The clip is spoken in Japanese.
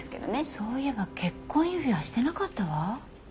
そういえば結婚指輪してなかったわ。